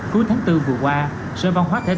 cuối tháng bốn vừa qua sơ văn hóa thế giới